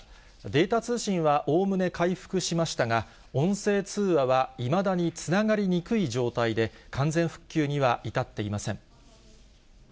データ通信はおおむね回復しましたが、音声通話はいまだにつながりにくい状態で、完全復旧には至っていません。